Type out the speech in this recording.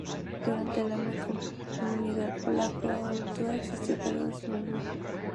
Durante la mancomunidad polaco-lituana existió un cargo de Mariscal del Sejm.